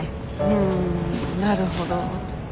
うんなるほど。